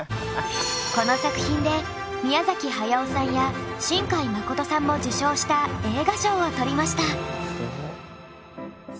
この作品で宮崎駿さんや新海誠さんも受賞した映画賞を取りました。